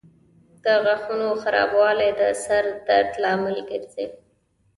د غاښونو خرابوالی د سر درد لامل ګرځي.